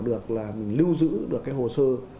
được là mình lưu giữ được cái hồ sơ